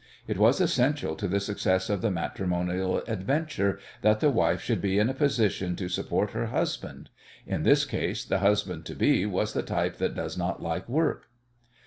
It was essential to the success of the matrimonial adventure that the wife should be in a position to support her husband. In this case the husband to be was the type that does not like work.